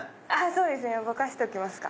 そうですねぼかしときますか。